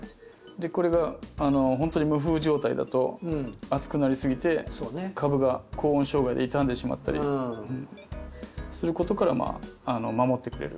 これが本当に無風状態だと熱くなりすぎて株が高温障害で傷んでしまったりすることから守ってくれる。